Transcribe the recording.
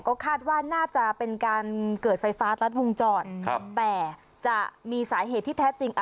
ก็คาดว่าน่าจะเป็นการเกิดไฟฟ้ารัดวงจรครับแต่จะมีสาเหตุที่แท้จริง